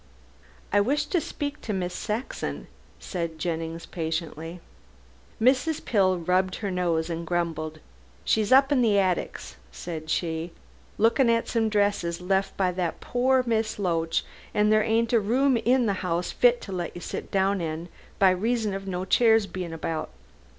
"I wish to speak to Miss Saxon," said Jennings patiently. Mrs. Pill rubbed her nose and grumbled. "She's up in the attics," said she, "lookin' at some dresses left by pore Miss Loach, and there ain't a room in the 'ouse fit to let you sit down in, by reason of no chairs being about.